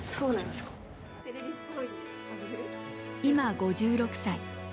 今５６歳。